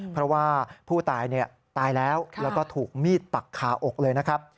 เพราะว่าผู้ตายตายแล้วแล้วก็ถูกมีดปักคาอกเลยนะครับ